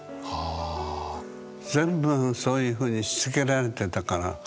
全部そういうふうにしつけられてたから。